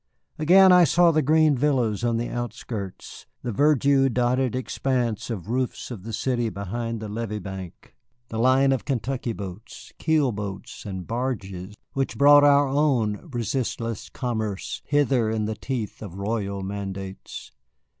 Again I saw the green villas on the outskirts, the verdure dotted expanse of roofs of the city behind the levee bank, the line of Kentucky boats, keel boats and barges which brought our own resistless commerce hither in the teeth of royal mandates.